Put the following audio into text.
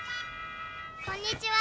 「こんにちは」